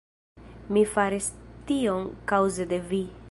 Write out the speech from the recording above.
Mi faris tion kaŭze de vi.